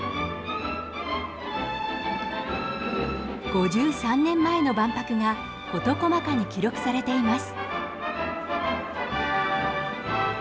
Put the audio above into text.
５３年前の万博が事細かに記録されています。